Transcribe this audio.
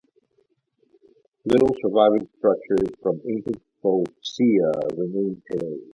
Little surviving structures from ancient Phocaea remain today.